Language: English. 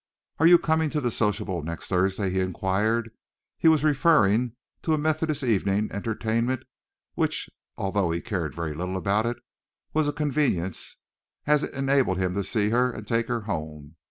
"Are you coming to the sociable next Thursday?" he inquired. He was referring to a Methodist evening entertainment which, although he cared very little about it, was a convenience as it enabled him to see her and take her home.